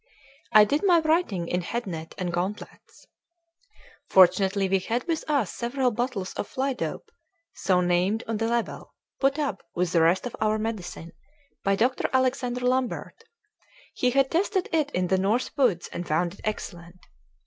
I did my writing in head net and gauntlets. Fortunately we had with us several bottles of "fly dope" so named on the label put up, with the rest of our medicine, by Doctor Alexander Lambert; he had tested it in the north woods and found it excellent.